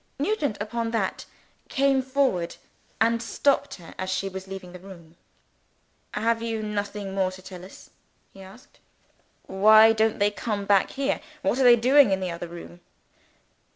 Nugent, upon that, came forward, and stopped her as she was leaving the room. "Have you nothing more to tell us?" he asked. "No, sir." "Why don't they come back here? What are they doing in the other room?"